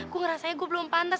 aku ngerasanya gue belum pantas